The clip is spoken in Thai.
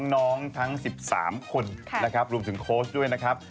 ทั้ง๑๓คนนะครับรวมถึงโค้ชด้วยนะครับ